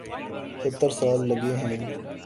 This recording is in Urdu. ستر سال لگے ہیں۔